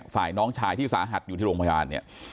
ฝ่ายน้องชายที่สาหัสอยู่ที่โรงพยาบาลเนี่ย